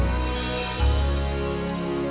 sampai jumpa lagi